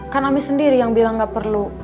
kan ami sendiri yang bilang gak perlu